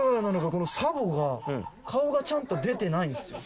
このサボが顔がちゃんと出てないんですよ。